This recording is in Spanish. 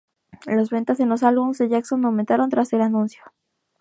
Las ventas de los álbumes de Jackson aumentaron tras el anuncio.